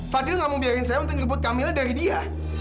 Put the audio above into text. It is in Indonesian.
fadil gak mau biarin saya untuk ngebut camilla dari dia